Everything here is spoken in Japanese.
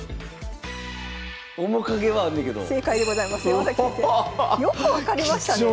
よく分かりましたね。